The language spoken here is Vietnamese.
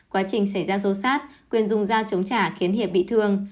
quá trình xảy ra số sát quyền dùng dao chống trả khiến hiệp bị thương